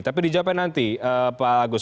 tapi dijawabkan nanti pak agus